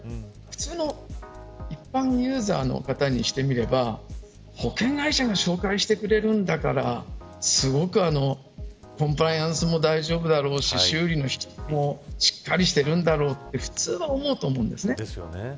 これ普通の一般ユーザーの方にしてみれば保険会社が紹介してくれるんだからすごく、コンプライアンスも大丈夫だろうし修理の質もしっかりしているんだろうと普通は思うと思うんですね。